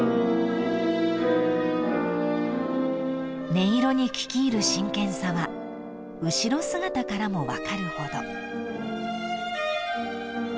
［音色に聞き入る真剣さは後ろ姿からも分かるほど］